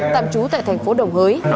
tạm trú tại tp đồng hới